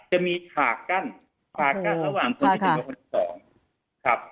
จะมีฉากกั้นฉากกั้นระหว่างต้นที๑๒